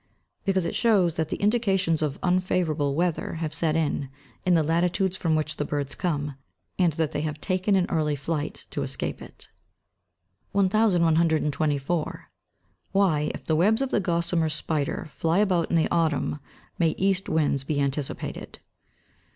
_ Because it shows that the indications of unfavourable weather have set in, in the latitudes from which the birds come, and that they have taken an early flight to escape it. 1124. _Why if the webs of the gossamer spider fly about in the autumn, may east winds be anticipated?